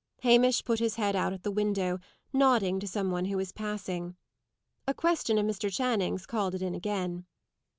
Hamish put his head out at the window, nodding to some one who was passing. A question of Mr. Channing's called it in again.